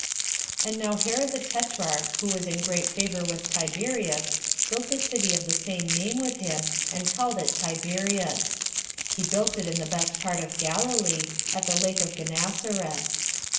3. And now Herod the tetrarch, who was in great favor with Tiberius, built a city of the same name with him, and called it Tiberias. He built it in the best part of Galilee, at the lake of Gennesareth.